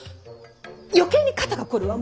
余計に肩が凝るわ。